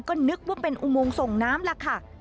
ก็นึกว่าเป็นอุโมงส่งน้ำล่ะค่ะ